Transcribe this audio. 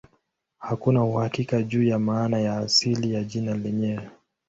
Hakuna uhakika juu ya maana ya asili ya jina lenyewe.